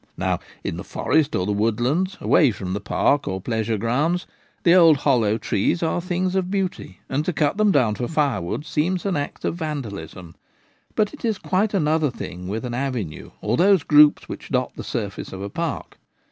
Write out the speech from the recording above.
Now in the forest or the woodlands, away from the park or pleasure grounds, the old hollow trees are things of beauty, and to cut them down for firewood seems an act of vandalism. But it is quite another thing with an avenue or those groups which dot the surface of a park.